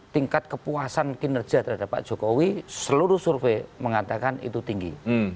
tingkat kepuasan kinerja terhadap pak jokowi seluruh survei mengatakan itu tinggi